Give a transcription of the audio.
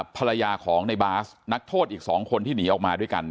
ภรรยาของในบาสนักโทษอีก๒คนที่หนีออกมาด้วยกัน